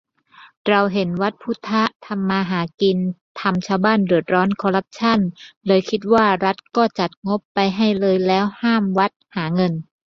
เราเห็นวัดพุทธทำมาหากิน ทำชาวบ้านเดือดร้อน คอรัปชั่น เลยคิดว่า รัฐก็จัดงบไปให้เลย แล้วห้ามวัดหาเงิน